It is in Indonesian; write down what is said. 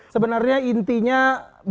sebenarnya intinya bebas mas gibran